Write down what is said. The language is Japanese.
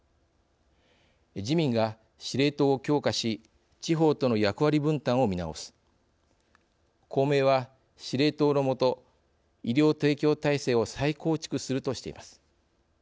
自民が司令塔を強化し地方との役割分担を見直す公明は司令塔のもと医療提供体制を再構築するとしています。